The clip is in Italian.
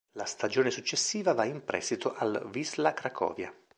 La stagione successiva va in prestito al Wisla Cracovia.